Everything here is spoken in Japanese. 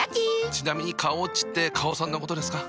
ちなみに花王っちって花王さんのことですか？